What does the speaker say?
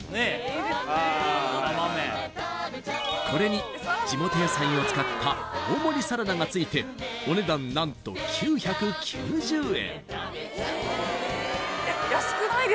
これに地元野菜を使った大盛りサラダが付いてお値段何と９９０円